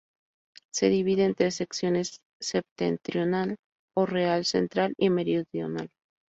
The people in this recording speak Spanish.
Se divide en tres secciones: Septentrional o Real, Central y Meridional.